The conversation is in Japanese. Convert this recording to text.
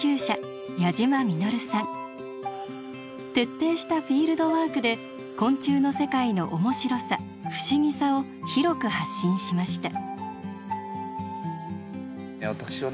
徹底したフィールドワークで昆虫の世界の面白さ不思議さを広く発信しました。